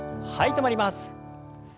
止まります。